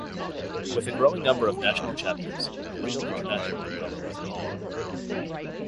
With a growing number of national chapters a real international umbrella was needed.